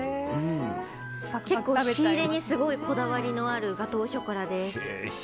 結構火入れにこだわりのあるガトーショコラで。